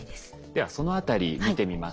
ではそのあたり見てみましょう。